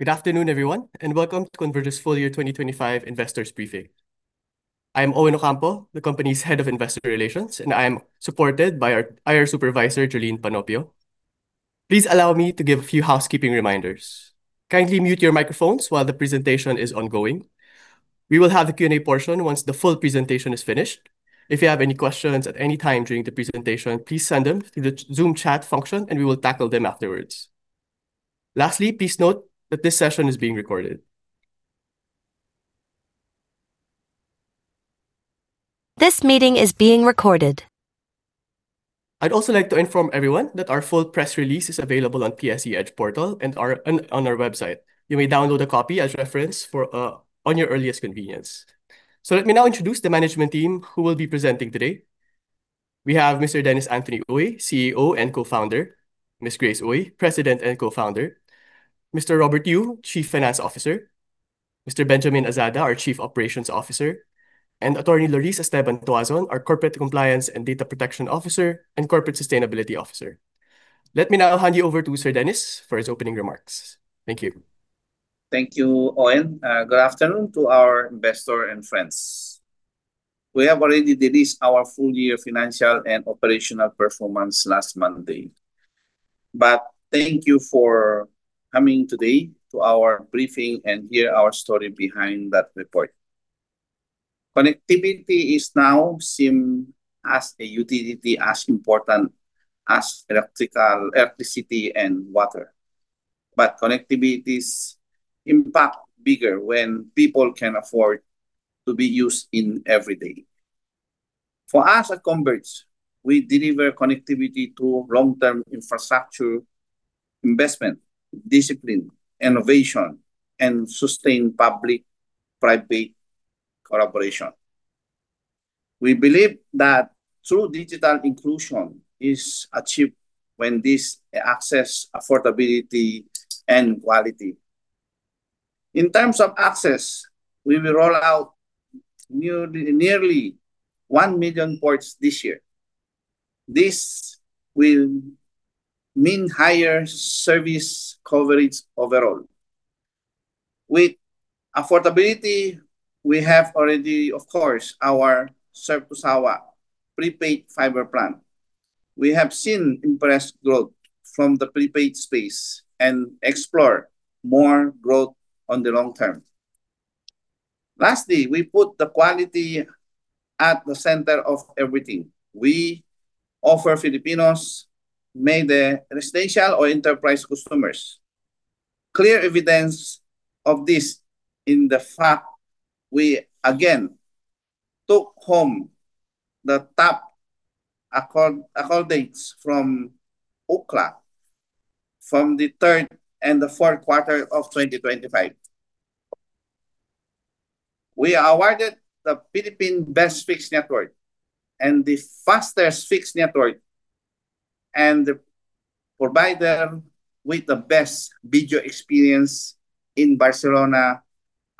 Good afternoon, everyone, and welcome to Converge's Full Year 2025 Investors Briefing. I'm Owen Ocampo, the company's head of investor relations, and I am supported by our IR supervisor, Julene Panopio. Please allow me to give a few housekeeping reminders. Kindly mute your microphones while the presentation is ongoing. We will have a Q&A portion once the full presentation is finished. If you have any questions at any time during the presentation, please send them through the Zoom chat function, and we will tackle them afterwards. Lastly, please note that this session is being recorded. This meeting is being recorded. I'd also like to inform everyone that our full press release is available on PSE EDGE portal and on our website. You may download a copy as reference on your earliest convenience. Let me now introduce the management team who will be presenting today. We have Mr. Dennis Anthony Uy, CEO and Co-Founder, Ms. Grace Uy, President and Co-Founder, Mr. Robert Yu, Chief Finance Officer, Mr. Benjamin Azada, our Chief Operations Officer, and Attorney Laurice Esteban-Tuason, our corporate compliance and data protection officer and corporate sustainability officer. Let me now hand you over to Sir Dennis for his opening remarks. Thank you. Thank you, Owen. Good afternoon to our investors and friends. We have already released our full-year financial and operational performance last Monday. Thank you for coming today to our briefing and hear our story behind that report. Connectivity is now seen as a utility as important as electricity and water. Connectivity's impact is bigger when people can afford to use it every day. For us at Converge, we deliver connectivity through long-term infrastructure investment, discipline, innovation, and sustained public-private collaboration. We believe that true digital inclusion is achieved when this access, affordability, and quality. In terms of access, we will roll out nearly 1 million ports this year. This will mean higher service coverage overall. With affordability, we have already, of course, our Surf2Sawa prepaid fiber plan. We have seen impressive growth from the prepaid space and expect more growth in the long term. Lastly, we put the quality at the center of everything. We offer Filipinos, whether they residential or enterprise customers, clear evidence of this in the fact we again took home the top accolades from Ookla from the third and the fourth quarter of 2025. We are awarded the Philippine Best Fixed Network and the Fastest Fixed Network and provide them with the best video experience in Barcelona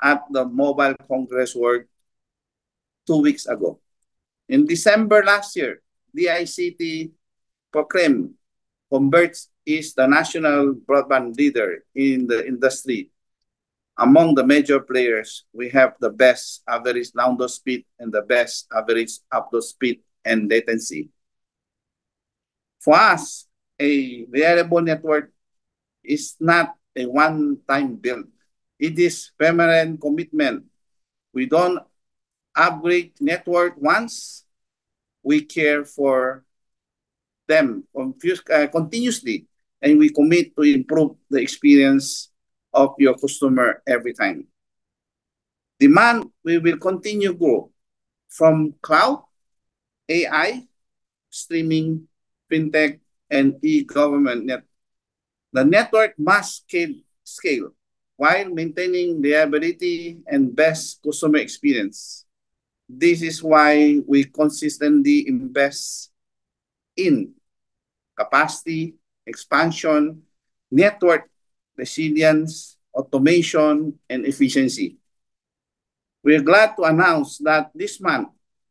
at the Mobile World Congress two weeks ago. In December last year, the DICT proclaimed Converge is the national broadband leader in the industry. Among the major players, we have the best average download speed and the best average upload speed and latency. For us, a reliable network is not a one-time build. It is permanent commitment. We don't upgrade network once. We care for them continuously, and we commit to improve the experience of your customer every time. Demand will continue grow from cloud, AI, streaming, fintech and e-government needs. The network must scale while maintaining reliability and best customer experience. This is why we consistently invest in capacity, expansion, network resilience, automation and efficiency. We're glad to announce that this month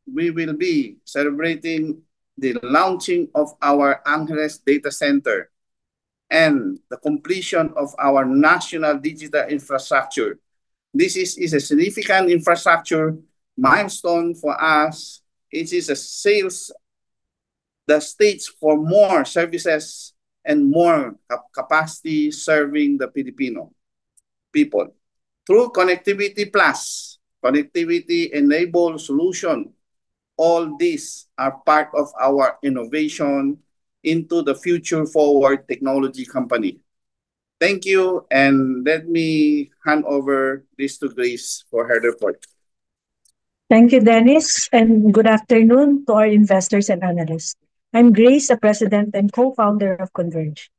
we will be celebrating the launching of our Angeles data center and the completion of our national digital infrastructure. This is a significant infrastructure milestone for us. It is a step that sets the stage for more services and more capacity serving the Filipino people. Through Connectivity Plus, connectivity-enabled solution, all these are part of our evolution into the future-forward technology company. Thank you, and let me hand over this to Grace for her report. Thank you, Dennis, and good afternoon to our investors and analysts. I'm Grace, the president and co-founder of Converge.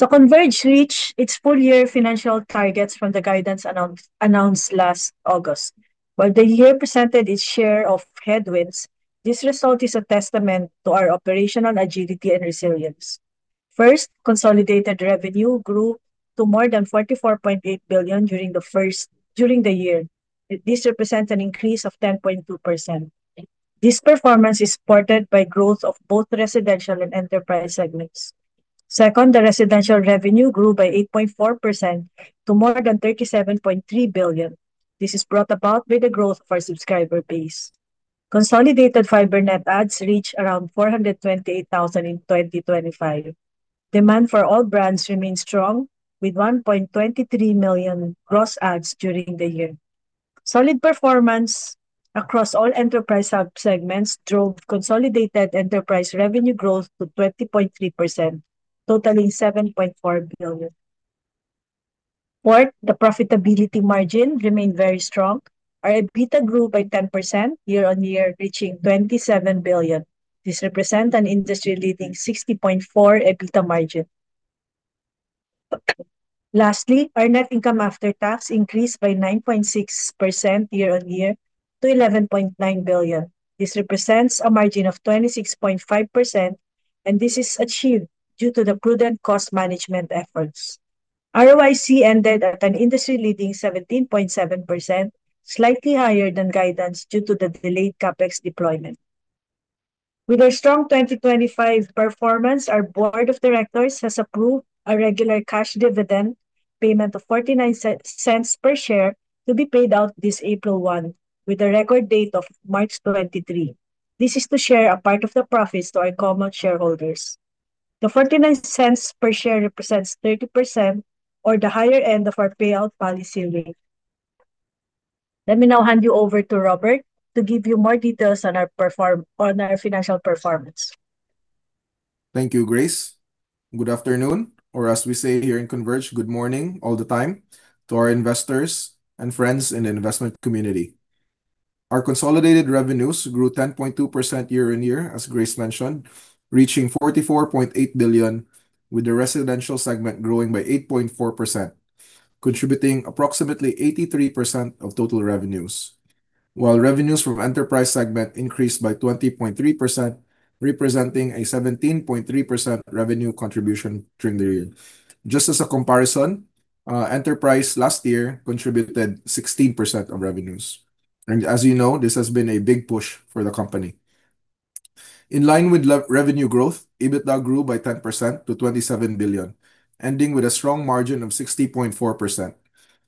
Converge reached its full year financial targets from the guidance announced last August. While the year presented its share of headwinds, this result is a testament to our operational agility and resilience. First, consolidated revenue grew to more than 44.8 billion during the year. This represents an increase of 10.2%. This performance is supported by growth of both residential and enterprise segments. Second, the residential revenue grew by 8.4% to more than 37.3 billion. This is brought about by the growth of our subscriber base. Consolidated fiber net adds reached around 428,000 in 2025. Demand for all brands remains strong, with 1.23 million gross adds during the year. Solid performance across all enterprise sub-segments drove consolidated enterprise revenue growth to 20.3%, totaling 7.4 billion. Fourth, the profitability margin remained very strong. Our EBITDA grew by 10% year-on-year, reaching 27 billion. This represents an industry-leading 60.4% EBITDA margin. Lastly, our net income after tax increased by 9.6% year-on-year to 11.9 billion. This represents a margin of 26.5%, and this is achieved due to the prudent cost management efforts. ROIC ended at an industry-leading 17.7%, slightly higher than guidance due to the delayed CapEx deployment. With our strong 2025 performance, our board of directors has approved a regular cash dividend payment of 0.49 per share to be paid out this April 1, with a record date of March 23. This is to share a part of the profits to our common shareholders. The 0.49 per share represents 30% or the higher end of our payout policy rate. Let me now hand you over to Robert to give you more details on our financial performance. Thank you, Grace. Good afternoon, or as we say here in Converge, good morning all the time to our investors and friends in the investment community. Our consolidated revenues grew 10.2% year-on-year, as Grace mentioned, reaching 44.8 billion, with the residential segment growing by 8.4%, contributing approximately 83% of total revenues. While revenues from enterprise segment increased by 20.3%, representing a 17.3% revenue contribution during the year. Just as a comparison, enterprise last year contributed 16% of revenues, and as you know, this has been a big push for the company. In line with revenue growth, EBITDA grew by 10%-PHP 27 billion, ending with a strong margin of 60.4%.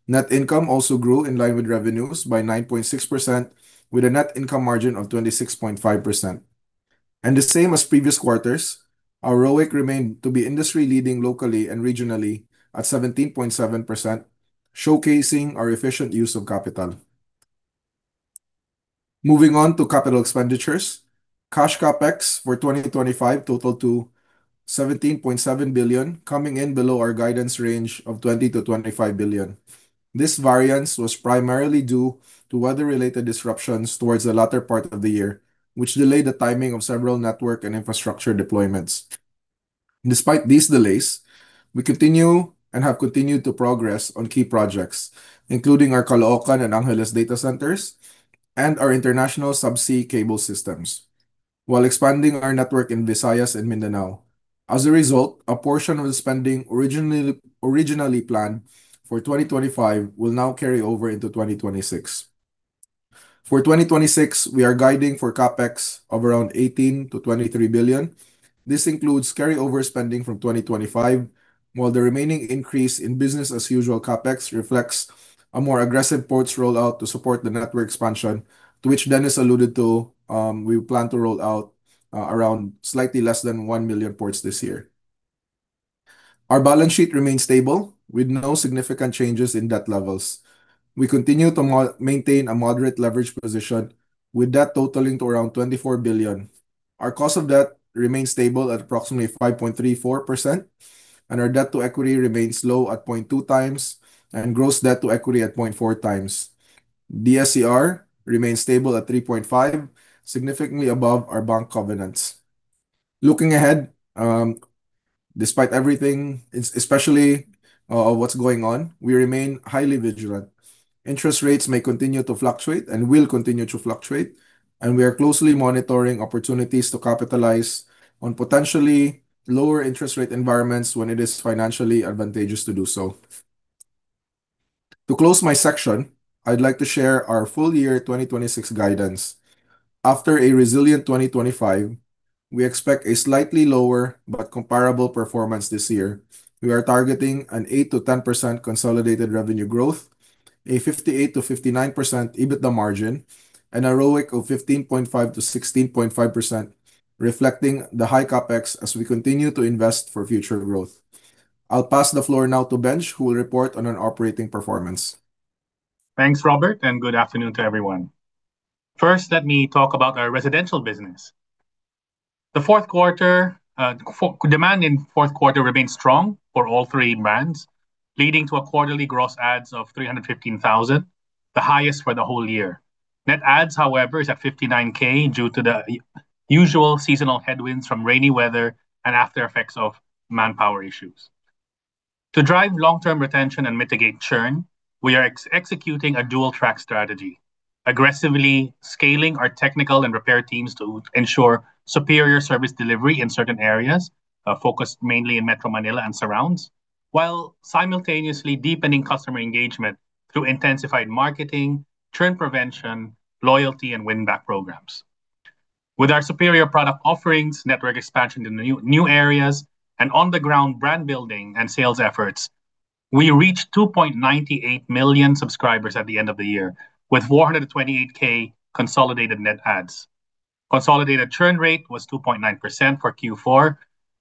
Net income also grew in line with revenues by 9.6%, with a net income margin of 26.5%. The same as previous quarters, our ROIC remained to be industry leading locally and regionally at 17.7%, showcasing our efficient use of capital. Moving on to capital expenditures, cash CapEx for 2025 totaled to 17.7 billion, coming in below our guidance range of 20-25 billion. This variance was primarily due to weather-related disruptions towards the latter part of the year, which delayed the timing of several network and infrastructure deployments. Despite these delays, we continue and have continued to progress on key projects, including our Caloocan and Angeles data centers and our international subsea cable systems while expanding our network in Visayas and Mindanao. As a result, a portion of the spending originally planned for 2025 will now carry over into 2026. For 2026, we are guiding for CapEx of around 18-23 billion. This includes carryover spending from 2025, while the remaining increase in business as usual CapEx reflects a more aggressive ports rollout to support the network expansion, to which Dennis alluded to, we plan to roll out around slightly less than 1 million ports this year. Our balance sheet remains stable with no significant changes in debt levels. We continue to maintain a moderate leverage position with debt totaling to around PHP 24 billion. Our cost of debt remains stable at approximately 5.34%, and our debt to equity remains low at 0.2x and gross debt to equity at 0.4x. DSCR remains stable at 3.5, significantly above our bank covenants. Looking ahead, despite everything, especially what's going on, we remain highly vigilant. Interest rates may continue to fluctuate and will continue to fluctuate, and we are closely monitoring opportunities to capitalize on potentially lower interest rate environments when it is financially advantageous to do so. To close my section, I'd like to share our full year 2026 guidance. After a resilient 2025, we expect a slightly lower but comparable performance this year. We are targeting an 8%-10% consolidated revenue growth, a 58%-59% EBITDA margin, and a ROIC of 15.5%-16.5%, reflecting the high CapEx as we continue to invest for future growth. I'll pass the floor now to Benj, who will report on our operating performance. Thanks, Robert, and good afternoon to everyone. First, let me talk about our residential business. The fourth quarter demand in fourth quarter remained strong for all three brands, leading to a quarterly gross adds of 315,000, the highest for the whole year. Net adds, however, is at 59,000 due to the usual seasonal headwinds from rainy weather and after effects of manpower issues. To drive long-term retention and mitigate churn, we are executing a dual-track strategy. Aggressively scaling our technical and repair teams to ensure superior service delivery in certain areas, focused mainly in Metro Manila and surrounds, while simultaneously deepening customer engagement through intensified marketing, churn prevention, loyalty, and win-back programs. With our superior product offerings, network expansion into new areas, and on-the-ground brand building and sales efforts, we reached 2.98 million subscribers at the end of the year, with 428K consolidated net adds. Consolidated churn rate was 2.9% for Q4,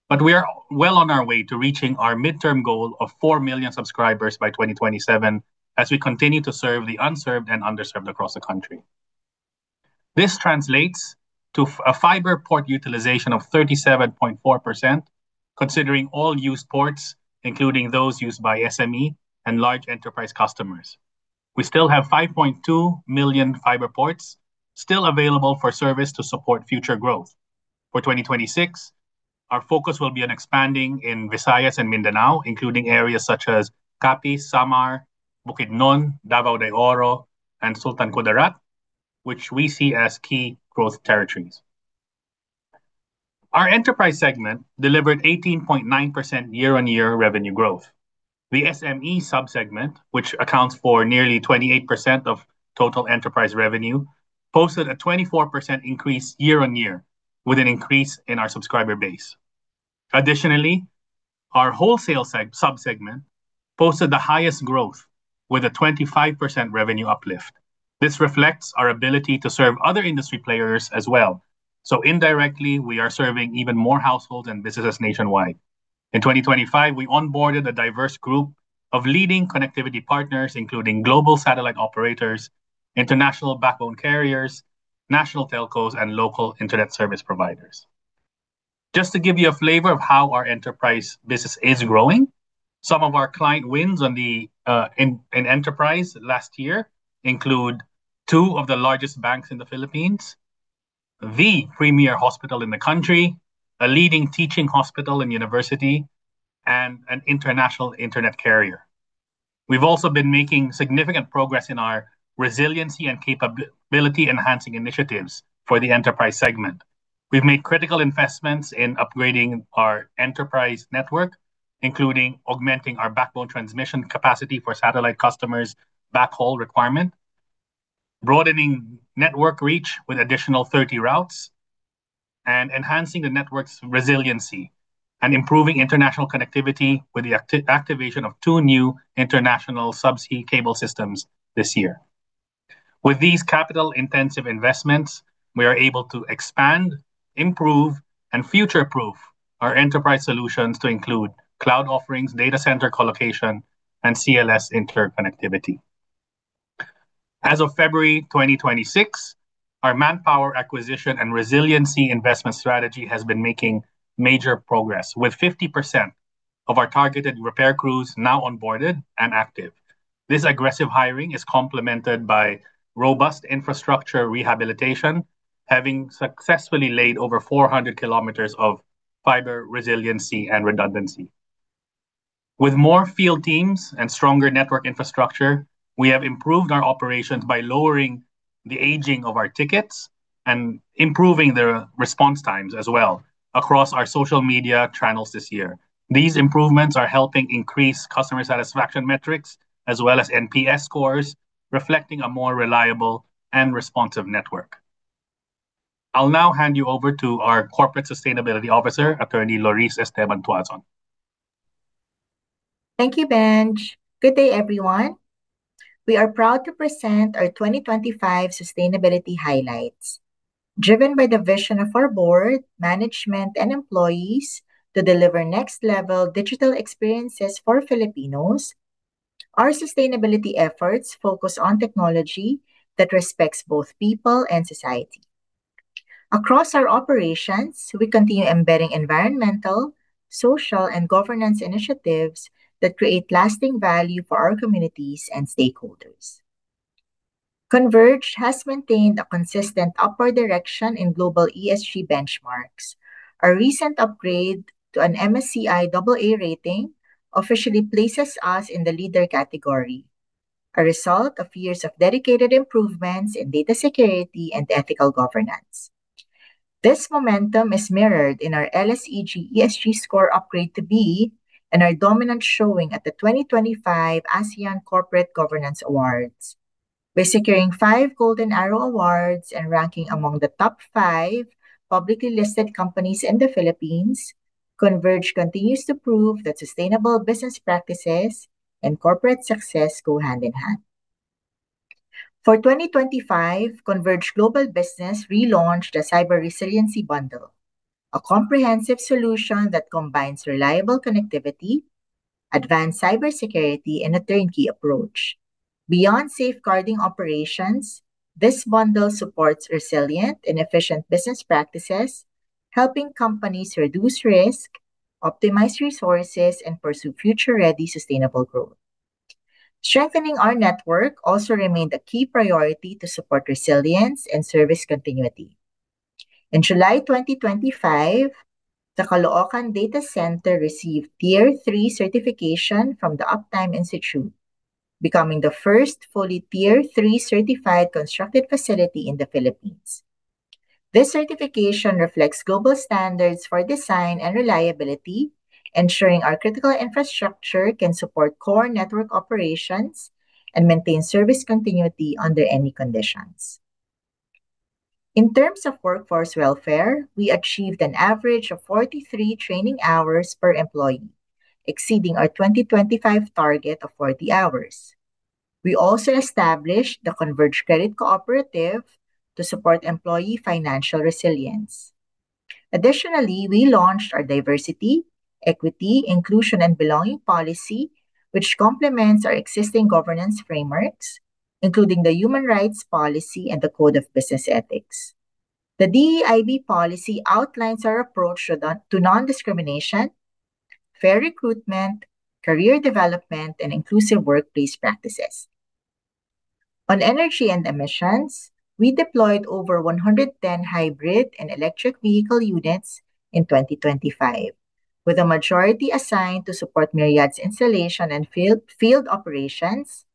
but we are well on our way to reaching our midterm goal of four million subscribers by 2027 as we continue to serve the unserved and underserved across the country. This translates to a fiber port utilization of 37.4% considering all used ports, including those used by SME and large enterprise customers. We still have 5.2 million fiber ports still available for service to support future growth. For 2026, our focus will be on expanding in Visayas and Mindanao, including areas such as Capiz, Samar, Bukidnon, Davao de Oro, and Sultan Kudarat, which we see as key growth territories. Our enterprise segment delivered 18.9% year-on-year revenue growth. The SME sub-segment, which accounts for nearly 28% of total enterprise revenue, posted a 24% increase year-on-year, with an increase in our subscriber base. Additionally, our wholesale sub-segment posted the highest growth with a 25% revenue uplift. This reflects our ability to serve other industry players as well. Indirectly, we are serving even more households and businesses nationwide. In 2025, we onboarded a diverse group of leading connectivity partners, including global satellite operators, international backbone carriers, national telcos, and local internet service providers. Just to give you a flavor of how our enterprise business is growing, some of our client wins in enterprise last year include two of the largest banks in the Philippines, the premier hospital in the country, a leading teaching hospital and university, and an international internet carrier. We've also been making significant progress in our resiliency and capability-enhancing initiatives for the enterprise segment. We've made critical investments in upgrading our enterprise network, including augmenting our backbone transmission capacity for satellite customers' backhaul requirement, broadening network reach with additional 30 routes, and enhancing the network's resiliency, and improving international connectivity with the activation of two new international subsea cable systems this year. With these capital-intensive investments, we are able to expand, improve, and future-proof our enterprise solutions to include cloud offerings, data center colocation, and CLS interconnectivity. As of February 2026, our manpower acquisition and resiliency investment strategy has been making major progress, with 50% of our targeted repair crews now onboarded and active. This aggressive hiring is complemented by robust infrastructure rehabilitation, having successfully laid over 400 kilometers of fiber resiliency and redundancy. With more field teams and stronger network infrastructure, we have improved our operations by lowering the aging of our tickets and improving the response times as well across our social media channels this year. These improvements are helping increase customer satisfaction metrics, as well as NPS scores, reflecting a more reliable and responsive network. I'll now hand you over to our Corporate Sustainability Officer, Attorney Laurice Esteban-Tuason. Thank you, Benj. Good day, everyone. We are proud to present our 2025 sustainability highlights. Driven by the vision of our board, management, and employees to deliver next-level digital experiences for Filipinos, our sustainability efforts focus on technology that respects both people and society. Across our operations, we continue embedding environmental, social, and governance initiatives that create lasting value for our communities and stakeholders. Converge has maintained a consistent upward direction in global ESG benchmarks. Our recent upgrade to an MSCI AA rating officially places us in the leader category, a result of years of dedicated improvements in data security and ethical governance. This momentum is mirrored in our LSEG ESG score upgrade to B and our dominant showing at the 2025 ASEAN Corporate Governance Awards. By securing 5 Golden Arrow awards and ranking among the top 5 publicly listed companies in the Philippines, Converge continues to prove that sustainable business practices and corporate success go hand in hand. For 2025, Converge Global Business relaunched a cyber resiliency bundle, a comprehensive solution that combines reliable connectivity, advanced cybersecurity, and a turnkey approach. Beyond safeguarding operations, this bundle supports resilient and efficient business practices, helping companies reduce risk, optimize resources, and pursue future-ready sustainable growth. Strengthening our network also remained a key priority to support resilience and service continuity. In July 2025, the Caloocan Data Center received Tier III certification from the Uptime Institute, becoming the first fully Tier III certified constructed facility in the Philippines. This certification reflects global standards for design and reliability, ensuring our critical infrastructure can support core network operations and maintain service continuity under any conditions. In terms of workforce welfare, we achieved an average of 43 training hours per employee, exceeding our 2025 target of 40 hours. We also established the Converge Credit Cooperative to support employee financial resilience. Additionally, we launched our diversity, equity, inclusion, and belonging policy, which complements our existing governance frameworks, including the human rights policy and the code of business ethics. The DEIB policy outlines our approach to non-discrimination, fair recruitment, career development, and inclusive workplace practices. On energy and emissions, we deployed over 110 hybrid and electric vehicle units in 2025, with the majority assigned to support Myriad's installation and field operations,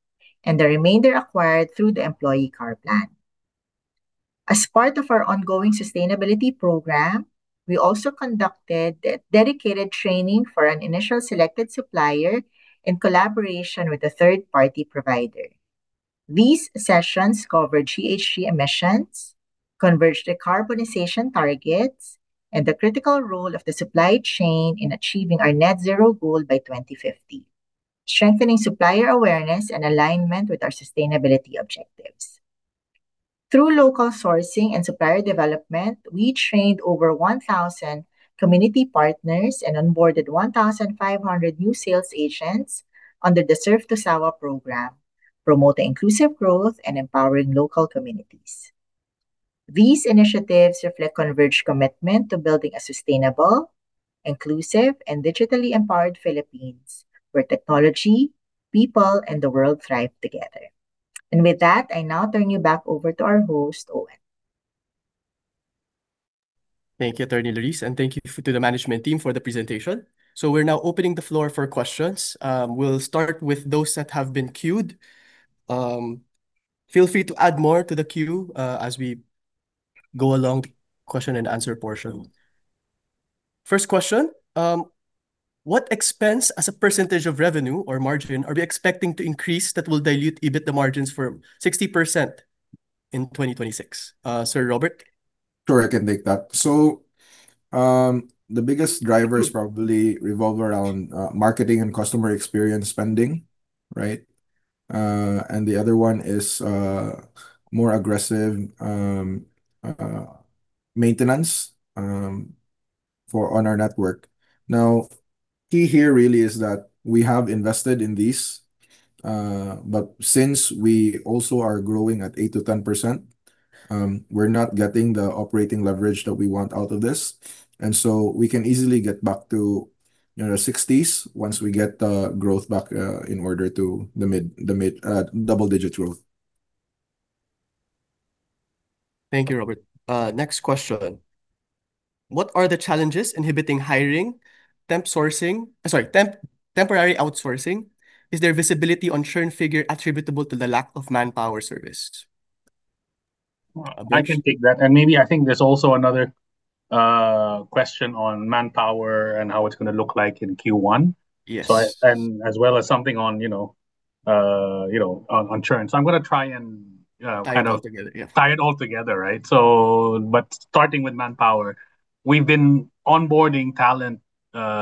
and the remainder acquired through the employee car plan. As part of our ongoing sustainability program, we also conducted dedicated training for an initial selected supplier in collaboration with a third-party provider. These sessions covered GHG emissions, Converge decarbonization targets, and the critical role of the supply chain in achieving our net zero goal by 2050, strengthening supplier awareness and alignment with our sustainability objectives. Through local sourcing and supplier development, we trained over 1,000 community partners and onboarded 1,500 new sales agents under the Surf2Sawa program, promoting inclusive growth and empowering local communities. These initiatives reflect Converge's commitment to building a sustainable, inclusive, and digitally empowered Philippines where technology, people, and the world thrive together. With that, I now turn you back over to our host, Owen. Thank you, Attorney Laurice, and thank you to the management team for the presentation. We're now opening the floor for questions. We'll start with those that have been queued. Feel free to add more to the queue, as we go along question and answer portion. First question, what expense as a percentage of revenue or margin are we expecting to increase that will dilute EBITDA margins to 60% in 2026? Mr. Robert? Sure, I can take that. The biggest drivers probably revolve around marketing and customer experience spending, right? The other one is more aggressive maintenance on our network. Now, key here really is that we have invested in these, but since we also are growing at 8%-10%, we're not getting the operating leverage that we want out of this. We can easily get back to, you know, sixties once we get the growth back in order to the mid double digits growth. Thank you, Robert. Next question: What are the challenges inhibiting hiring, temporary outsourcing? Is there visibility on churn figure attributable to the lack of manpower service? I can take that. Maybe I think there's also another question on manpower and how it's gonna look like in Q1. Yes. and as well as something on, you know, you know, on churn. I'm gonna try and, kind of- Tie it all together. Yeah. Starting with manpower, we've been onboarding talent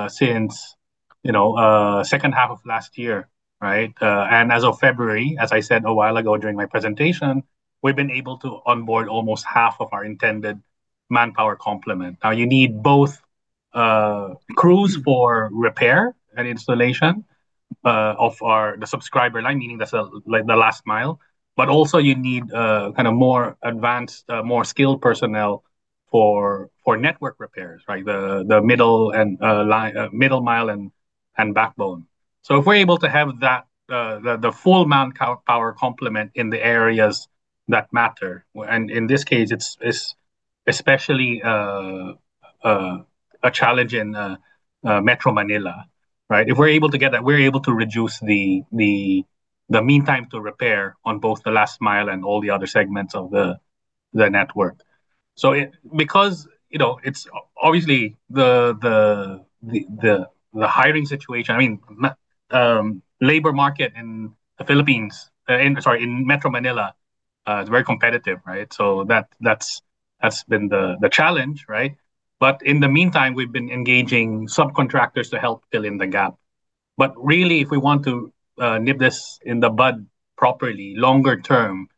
since, you know, second half of last year, right? And as of February, as I said a while ago during my presentation, we've been able to onboard almost half of our intended manpower complement. Now, you need both crews for repair and installation of our the subscriber line, meaning that's, like, the last mile, but also you need kind of more advanced more skilled personnel for network repairs, right? The middle and line middle mile and backbone. If we're able to have that the full manpower complement in the areas that matter, and in this case it's especially a challenge in Metro Manila, right? If we're able to get that, we're able to reduce the meantime to repair on both the last mile and all the other segments of the network. Because, you know, it's obviously the hiring situation, I mean, labor market in the Philippines, sorry, in Metro Manila, is very competitive, right? That's been the challenge, right? In the meantime, we've been engaging subcontractors to help fill in the gap. Really, if we want to nip this in the bud properly longer term,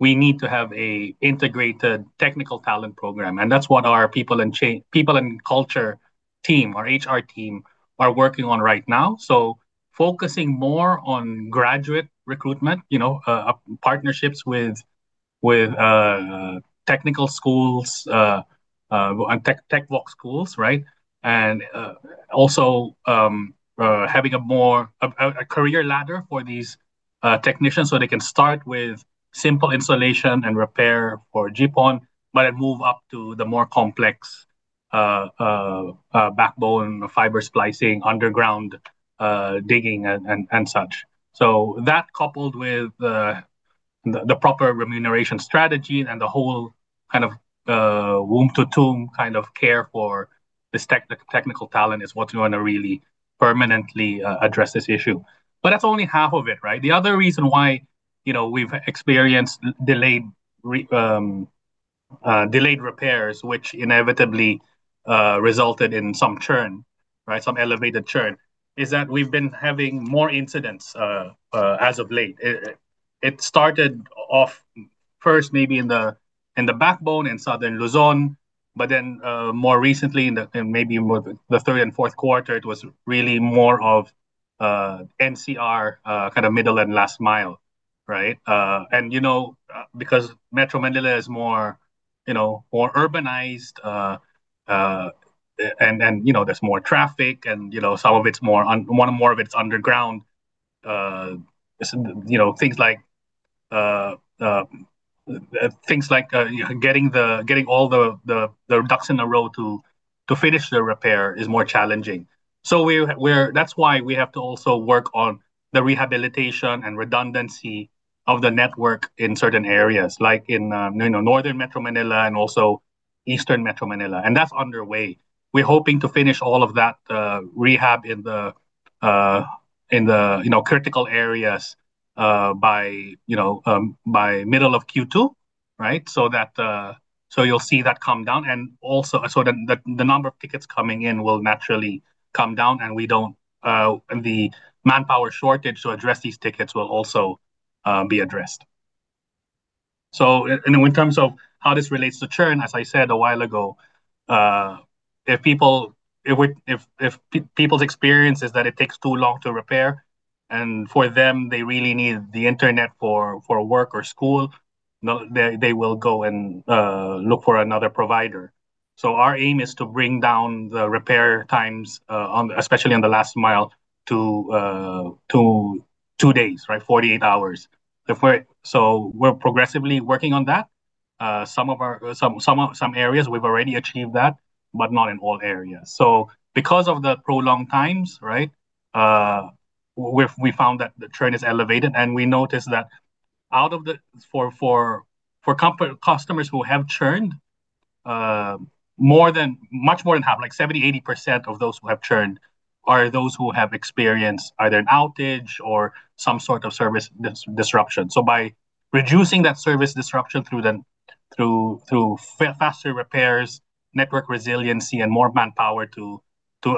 we need to have an integrated technical talent program, and that's what our people and culture team, our HR team are working on right now. Focusing more on graduate recruitment, you know, partnerships with technical schools and tech voc schools, right? Also having a career ladder for these technicians, so they can start with simple installation and repair for GPON, but it move up to the more complex backbone, fiber splicing, underground digging and such. That coupled with the proper remuneration strategy and the whole kind of womb to tomb kind of care for this technical talent is what's gonna really permanently address this issue. That's only half of it, right? The other reason why, you know, we've experienced delayed repairs, which inevitably resulted in some churn, right, some elevated churn, is that we've been having more incidents as of late. It started off first maybe in the backbone in Southern Luzon, but then more recently and maybe more the third and fourth quarter, it was really more of NCR kind of middle and last mile, right? Because Metro Manila is more you know more urbanized and you know there's more traffic and you know some of it's more underground. You know things like getting all the ducks in a row to finish the repair is more challenging. That's why we have to also work on the rehabilitation and redundancy of the network in certain areas like in Northern Metro Manila and also Eastern Metro Manila, and that's underway. We're hoping to finish all of that rehab in the you know critical areas by you know by middle of Q2 right? You'll see that come down and also the number of tickets coming in will naturally come down and the manpower shortage to address these tickets will also be addressed. In terms of how this relates to churn as I said a while ago if people's experience is that it takes too long to repair and for them they really need the internet for work or school they will go and look for another provider. Our aim is to bring down the repair times, especially on the last mile to two days, right, 48 hours. We're progressively working on that. Some areas we've already achieved that, but not in all areas. Because of the prolonged times, we've found that the churn is elevated, and we noticed that out of the customers who have churned, much more than half, like 70, 80% of those who have churned are those who have experienced either an outage or some sort of service disruption. By reducing that service disruption through faster repairs, network resiliency and more manpower to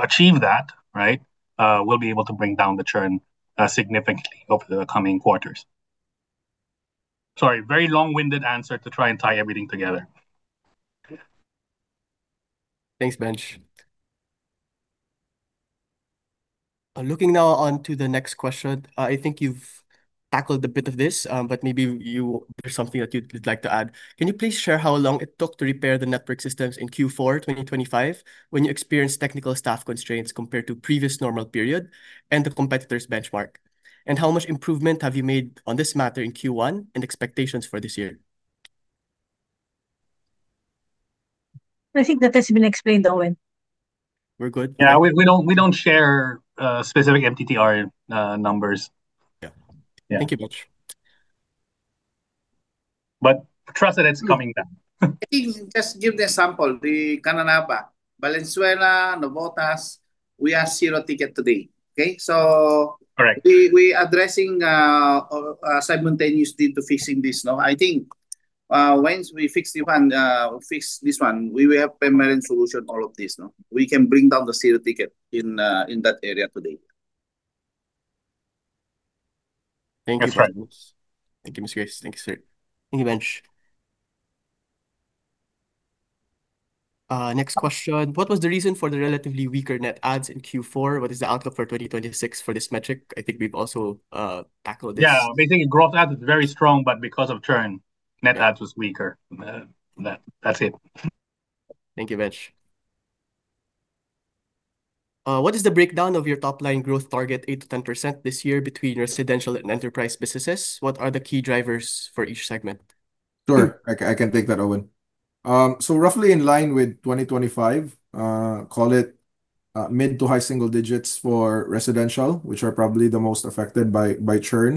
achieve that, we'll be able to bring down the churn significantly over the coming quarters. Sorry, very long-winded answer to try and tie everything together. Thanks, Benj. Looking now onto the next question. I think you've tackled a bit of this, but maybe there's something that you'd like to add. Can you please share how long it took to repair the network systems in Q4, 2025, when you experienced technical staff constraints compared to previous normal period and the competitors' benchmark? And how much improvement have you made on this matter in Q1 and expectations for this year? I think that has been explained, Owen. We're good? Yeah. We don't share specific MTTR numbers. Yeah. Yeah. Thank you, Benj. Trust that it's coming down. Let me just give the example. The Caloocan, Valenzuela, Navotas, we are zero ticket today, okay? Correct We addressing simultaneously to fixing this now. I think, once we fix this one, we will have permanent solution all of this now. We can bring down the zero ticket in that area today. That's right. Thank you. Thank you, Ms. Grace. Thank you, sir. Thank you, Benj. Next question: What was the reason for the relatively weaker net adds in Q4? What is the outlook for 2026 for this metric? I think we've also tackled this. Yeah. Basically, growth add is very strong, but because of churn, net adds was weaker. That's it. Thank you, Benj. What is the breakdown of your top line growth target, 8%-10% this year, between residential and enterprise businesses? What are the key drivers for each segment? Sure. I can take that, Owen. Roughly in line with 2025, call it mid- to high single digits for residential, which are probably the most affected by churn.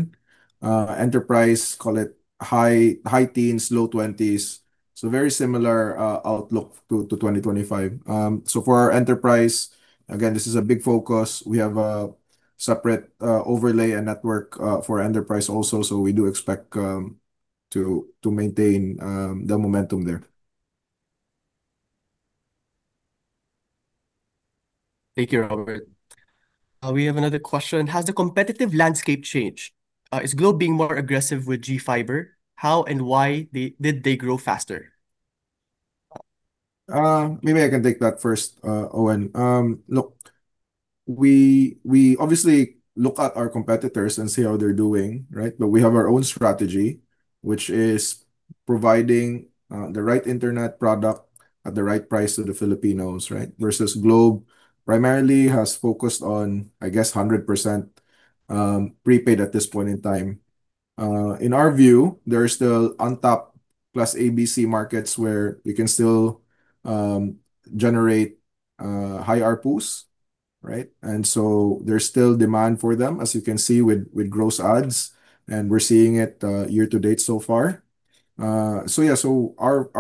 Enterprise, call it high teens, low twenties. Very similar outlook to 2025. For our enterprise, again, this is a big focus. We have a separate overlay and network for enterprise also, so we do expect to maintain the momentum there. Thank you, Robert. We have another question: Has the competitive landscape changed? Is Globe being more aggressive with GFiber? How and why did they grow faster? Maybe I can take that first, Owen. Look, we obviously look at our competitors and see how they're doing, right? We have our own strategy, which is providing the right internet product at the right price to the Filipinos, right? Versus Globe primarily has focused on, I guess, 100% prepaid at this point in time. In our view, they're still on top plus ABC markets where you can still generate high ARPUs, right? There's still demand for them as you can see with gross adds, and we're seeing it year to date so far. Our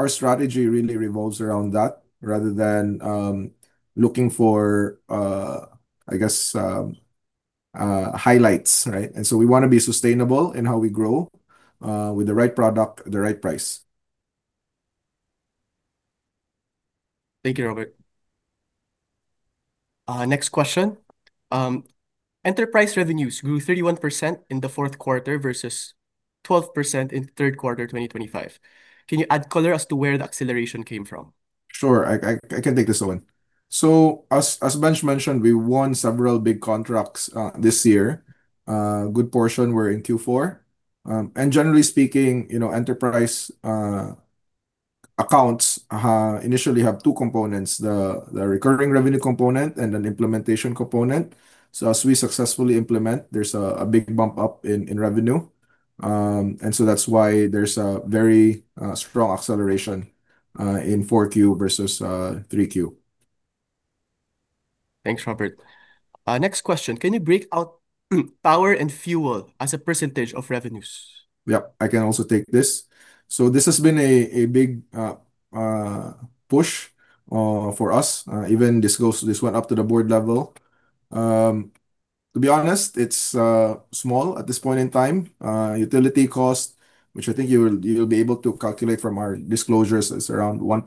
strategy really revolves around that rather than looking for, I guess, highlights, right? We wanna be sustainable in how we grow with the right product at the right price. Thank you, Robert. Next question. Enterprise revenues grew 31% in the fourth quarter versus 12% in third quarter of 2025. Can you add color as to where the acceleration came from? Sure. I can take this one. As Benj mentioned, we won several big contracts this year. A good portion were in Q4. Generally speaking, you know, enterprise accounts initially have two components, the recurring revenue component and an implementation component. As we successfully implement, there's a big bump up in revenue. That's why there's a very strong acceleration in Q4 versus Q3. Thanks, Robert. Next question: Can you break out power and fuel as a percentage of revenues? Yep, I can also take this. This has been a big push for us. Even this went up to the board level. To be honest, it's small at this point in time. Utility cost, which I think you'll be able to calculate from our disclosures, is around 1%,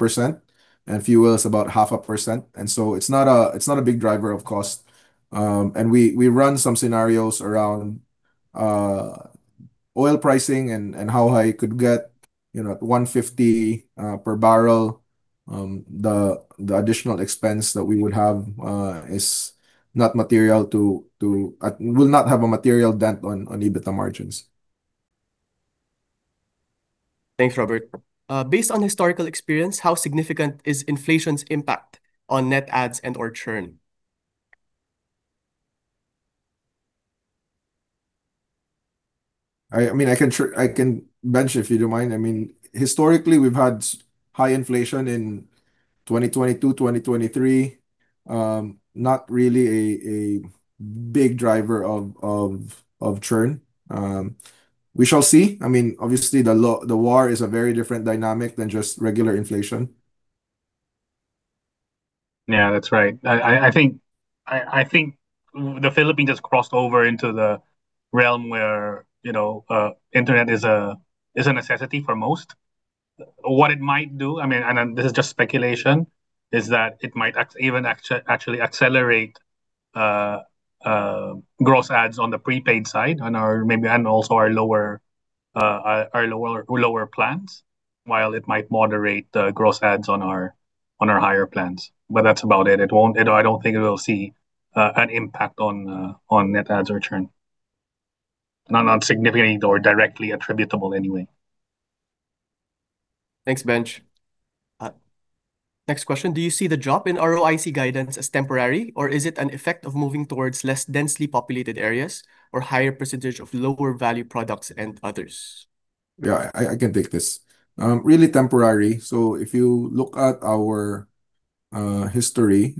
and fuel is about 0.5%. It's not a big driver of cost. We run some scenarios around oil pricing and how high it could get, you know, at $150 per barrel. The additional expense that we would have is not material to EBITDA margins. It will not have a material dent on EBITDA margins. Thanks, Robert. Based on historical experience, how significant is inflation's impact on net adds and/or churn? I mean, I can, Benj, if you don't mind. I mean, historically, we've had high inflation in 2022, 2023. Not really a big driver of churn. We shall see. I mean, obviously, the war is a very different dynamic than just regular inflation. Yeah, that's right. I think the Philippines has crossed over into the realm where, you know, internet is a necessity for most. What it might do, I mean, and this is just speculation, is that it might actually accelerate gross adds on the prepaid side and maybe and also our lower plans, while it might moderate the gross adds on our higher plans. That's about it. I don't think it will see an impact on net adds or churn. Not significantly or directly attributable anyway. Thanks, Benj. Next question: Do you see the drop in ROIC guidance as temporary, or is it an effect of moving towards less densely populated areas or higher percentage of lower value products and others? Yeah. I can take this. Really temporary. If you look at our history,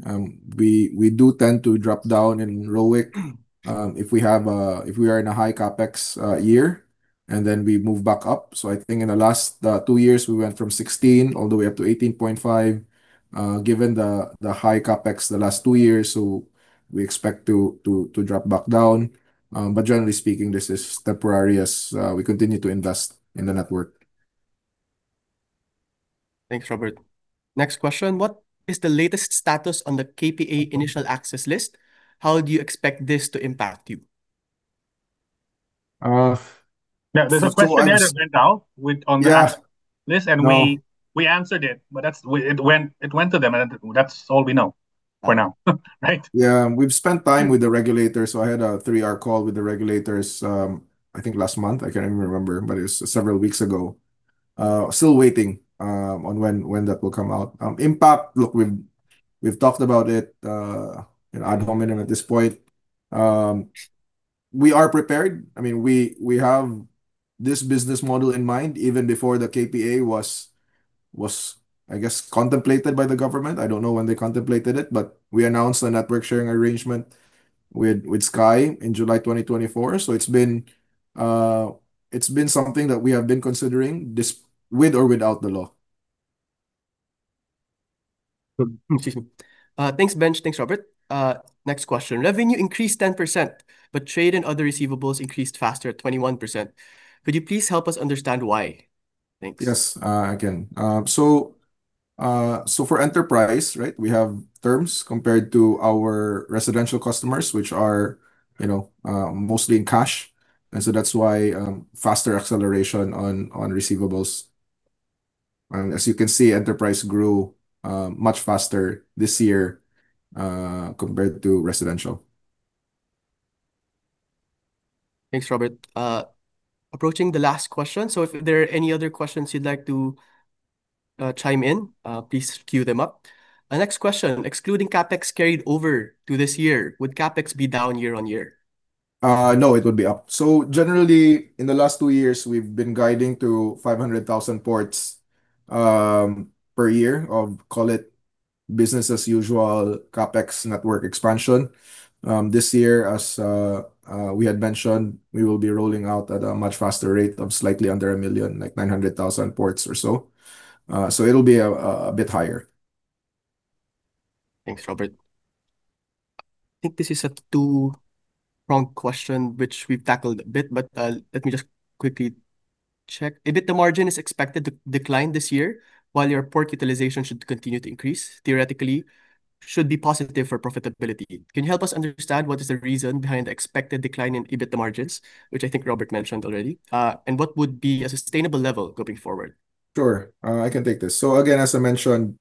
we do tend to drop down in ROIC if we are in a high CapEx year, and then we move back up. I think in the last two years, we went from 16 all the way up to 18.5 given the high CapEx the last two years. We expect to drop back down. Generally speaking, this is temporary as we continue to invest in the network. Thanks, Robert. Next question. What is the latest status on the KPA initial access list? How do you expect this to impact you? There's two answers. Yeah. There's a question that went out on that list. Yeah. We answered it, but that's, it went to them, and that's all we know for now, right? Yeah. We've spent time with the regulators. I had a three-hour call with the regulators, I think last month. I can't even remember, but it's several weeks ago. Still waiting on when that will come out. Impact, look, we've talked about it ad nauseam, and at this point, we are prepared. I mean, we have this business model in mind even before the KPA was, I guess, contemplated by the government. I don't know when they contemplated it, but we announced the network sharing arrangement with Sky in July 2024. It's been something that we have been considering this with or without the law. Excuse me. Thanks, Benj. Thanks, Robert. Next question. Revenue increased 10%, but trade and other receivables increased faster at 21%. Could you please help us understand why? Thanks. Yes. For enterprise, right, we have terms compared to our residential customers, which are, you know, mostly in cash. That's why faster acceleration on receivables. As you can see, enterprise grew much faster this year compared to residential. Thanks, Robert. Approaching the last question, so if there are any other questions you'd like to chime in, please queue them up. Our next question, excluding CapEx carried over to this year, would CapEx be down year-on-year? No, it would be up. Generally, in the last two years, we've been guiding to 500,000 ports per year of, call it, business as usual CapEx network expansion. This year, as we had mentioned, we will be rolling out at a much faster rate of slightly under 1 million, like 900,000 ports or so. It'll be a bit higher. Thanks, Robert. I think this is a two-pronged question which we've tackled a bit, but let me just quickly check. EBITDA margin is expected to decline this year while your port utilization should continue to increase, theoretically should be positive for profitability. Can you help us understand what is the reason behind the expected decline in EBITDA margins, which I think Robert mentioned already, and what would be a sustainable level going forward? Sure. I can take this. Again, as I mentioned,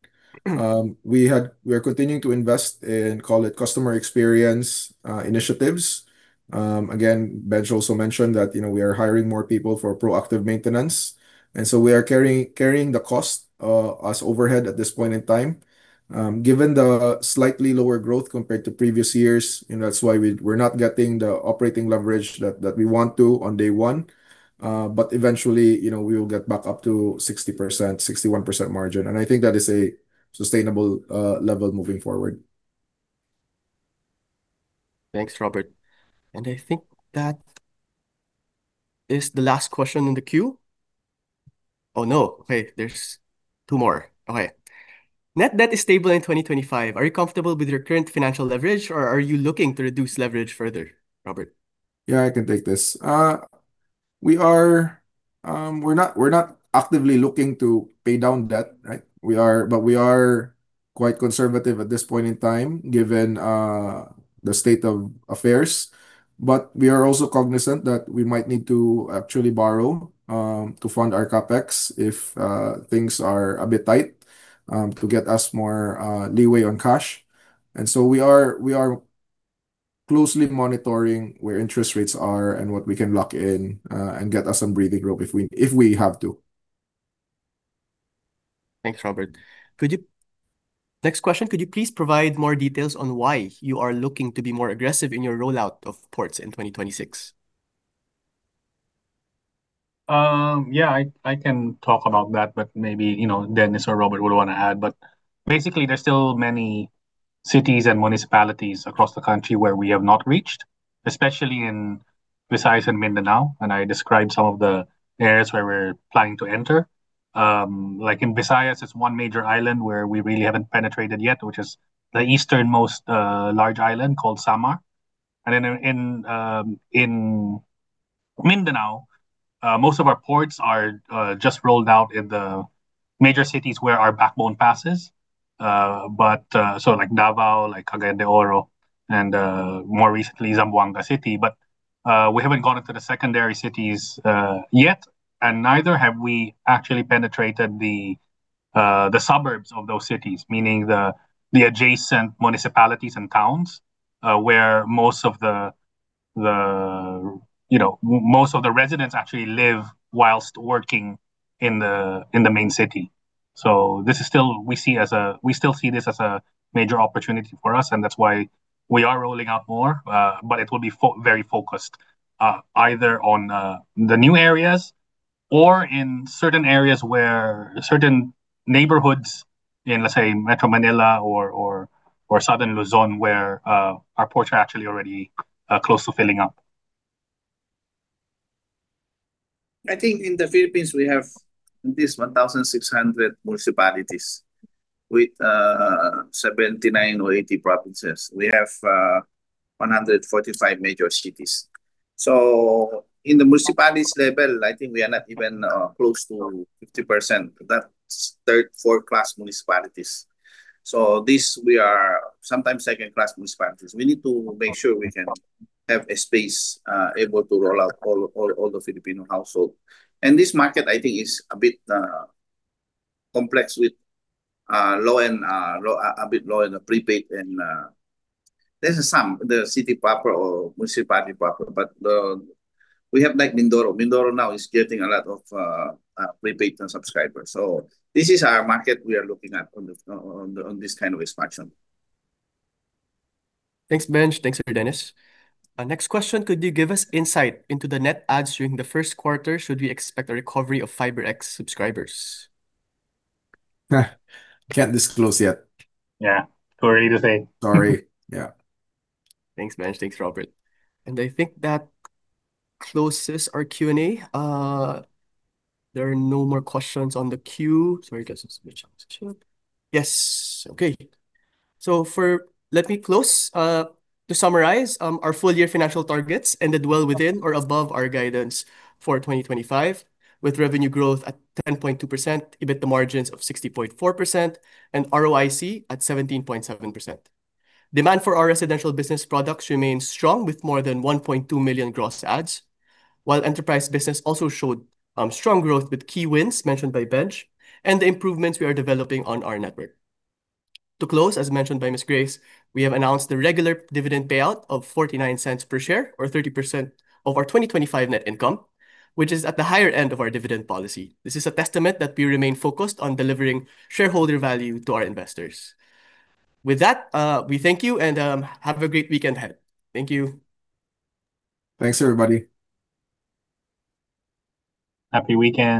we are continuing to invest in, call it, customer experience initiatives. Again, Benj also mentioned that, you know, we are hiring more people for proactive maintenance. We are carrying the cost as overhead at this point in time. Given the slightly lower growth compared to previous years, you know, that's why we're not getting the operating leverage that we want to on day one, but eventually, you know, we will get back up to 60%, 61% margin, and I think that is a sustainable level moving forward. Thanks, Robert. I think that is the last question in the queue. Oh, no. Okay, there's two more. Okay. Net debt is stable in 2025. Are you comfortable with your current financial leverage, or are you looking to reduce leverage further, Robert? Yeah, I can take this. We're not actively looking to pay down debt, right? We are quite conservative at this point in time, given the state of affairs. We are also cognizant that we might need to actually borrow to fund our CapEx if things are a bit tight to get us more leeway on cash. We are closely monitoring where interest rates are and what we can lock in and get us some breathing room if we have to. Thanks, Robert. Next question, could you please provide more details on why you are looking to be more aggressive in your rollout of ports in 2026? Yeah, I can talk about that, but maybe, you know, Dennis or Robert would wanna add. Basically, there's still many cities and municipalities across the country where we have not reached, especially in Visayas and Mindanao, and I described some of the areas where we're planning to enter. Like in Visayas, it's one major island where we really haven't penetrated yet, which is the easternmost large island called Samar. Then in Mindanao, most of our ports are just rolled out in the major cities where our backbone passes. So like Davao, like Cagayan de Oro, and more recently Zamboanga City. We haven't gone into the secondary cities yet, and neither have we actually penetrated the suburbs of those cities, meaning the adjacent municipalities and towns, where most of the you know most of the residents actually live while working in the main city. This is still a major opportunity for us, and that's why we are rolling out more, but it will be very focused, either on the new areas or in certain areas where certain neighborhoods in, let's say, Metro Manila or Southern Luzon, where our ports are actually already close to filling up. I think in the Philippines, we have at least 1,600 municipalities with 79 or 80 provinces. We have 145 major cities. In the municipalities level, I think we are not even close to 50%. That's third, fourth class municipalities. This we are sometimes second class municipalities. We need to make sure we can have a space able to roll out all the Filipino household. This market, I think, is a bit complex with low, a bit low in the prepaid and. There's some, the city proper or municipality proper, but we have like Mindoro. Mindoro now is getting a lot of prepaid and subscribers. This is our market we are looking at on this kind of expansion. Thanks, Benj. Thanks, Dennis. Our next question, could you give us insight into the net adds during the first quarter? Should we expect a recovery of FiberX subscribers? Ha. Can't disclose yet. Yeah. Sorry to say. Sorry. Yeah. Thanks, Benj. Thanks, Robert. I think that closes our Q&A. There are no more questions on the queue. Sorry, guys, I'll switch on this here. Yes. Okay. Let me close. To summarize, our full year financial targets ended well within or above our guidance for 2025, with revenue growth at 10.2%, EBITDA margins of 60.4%, and ROIC at 17.7%. Demand for our residential business products remains strong, with more than 1.2 million gross adds, while enterprise business also showed strong growth with key wins mentioned by Benj and the improvements we are developing on our network. To close, as mentioned by Ms. Grace, we have announced the regular dividend payout of 0.49 per share or 30% of our 2025 net income, which is at the higher end of our dividend policy. This is a testament that we remain focused on delivering shareholder value to our investors. With that, we thank you and have a great weekend ahead. Thank you. Thanks, everybody. Happy weekend.